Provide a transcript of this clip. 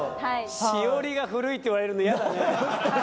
「しおりが古い」って言われるの嫌だねねえ